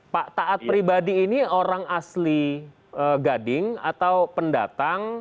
pak taat pribadi ini orang asli gading atau pendatang